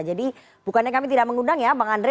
jadi bukannya kami tidak mengundang ya bang andre